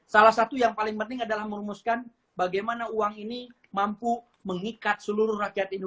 salah satu yang paling penting adalah merumuskan bagaimana uang ini mampu mengikat seluruh rakyat indonesia